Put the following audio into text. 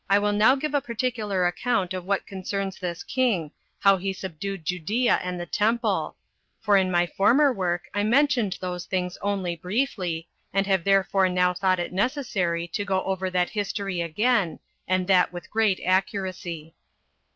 I will now give a particular account of what concerns this king, how he subdued Judea and the temple; for in my former work I mentioned those things very briefly, and have therefore now thought it necessary to go over that history again, and that with great accuracy.